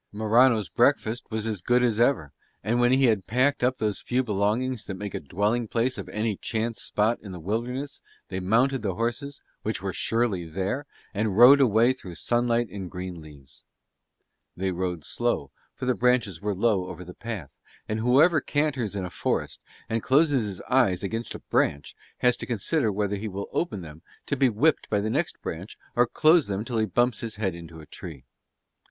Morano's breakfast was as good as ever; and, when he had packed up those few belongings that make a dwelling place of any chance spot in the wilderness, they mounted the horses, which were surely there, and rode away through sunlight and green leaves. They rode slow, for the branches were low over the path, and whoever canters in a forest and closes his eyes against a branch has to consider whether he will open them to be whipped by the next branch or close them till he bumps his head into a tree.